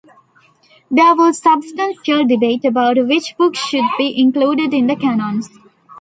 There was substantial debate about which books should be included in the canons.